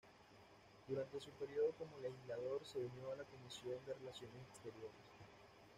Durante su periodo como legislador se unió a la Comisión de Relaciones Exteriores.